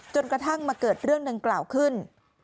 จนกระทั่งมาเกิดเรื่องดังกล่าวขึ้น